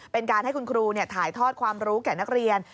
เป็นการให้คุณครูถ่ายทอดความรู้แก่นักเรียน